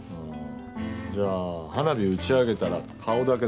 じゃあ花火打ち上げたら顔だけ出すよ。